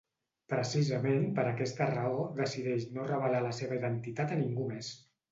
Precisament per aquesta raó decideix no revelar la seva identitat a ningú més.